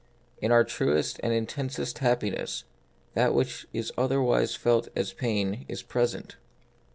In our truest and intensest happiness, that which is otherwise felt as pain is present.